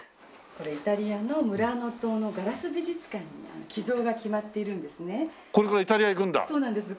これイタリアのムラーノ島のガラス美術館に寄贈が決まっているんですね。